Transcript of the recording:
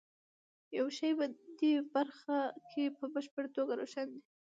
یو شی په دې برخه کې په بشپړه توګه روښانه دی